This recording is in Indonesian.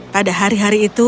pada hari hari itu